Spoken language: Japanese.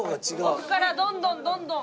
奥からどんどんどんどん。